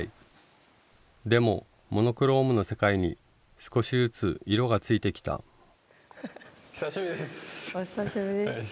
でもモノクロームの世界に少しずつ色がついてきた久しぶりです。